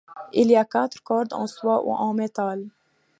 Il y a quatre cordes en soie ou en métal.